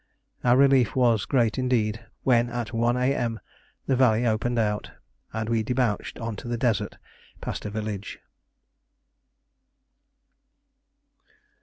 Our relief was great indeed when at 1 A.M. the valley opened out, and we debouched on to the desert past a village.